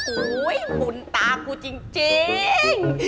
อุ๊ยบุญตากูจริง